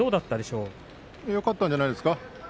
よかったんじゃないですか。